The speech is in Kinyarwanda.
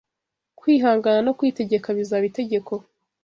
kwihangana no kwitegeka bizaba itegeko